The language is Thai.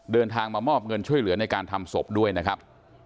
เดินทางมามอบเงินช่วยเหลือในการทำศพด้วยนะครับ